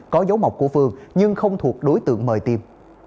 có dấu mọc của phương nhưng không thuộc đối tượng mời tiêm